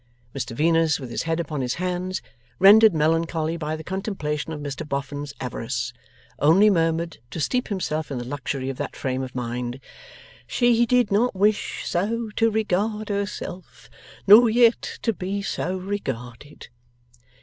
Mr Venus, with his head upon his hands, rendered melancholy by the contemplation of Mr Boffin's avarice, only murmured to steep himself in the luxury of that frame of mind: 'She did not wish so to regard herself, nor yet to be so regarded.